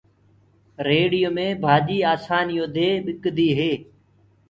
ريڙهيو مي ڀآڃيٚ آسآنيٚ يو دي ٻڪديٚ هي۔